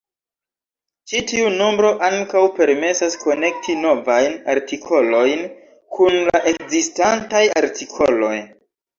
Ĉi tiu nombro ankaŭ permesas konekti novajn artikolojn kun la ekzistantaj artikoloj.